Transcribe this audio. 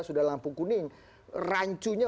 sudah lampu kuning rancunya